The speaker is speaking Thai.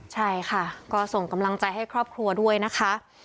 ใช่ค่ะก็ส่งกำลังใจให้ครอบครัวด้วยนะคะ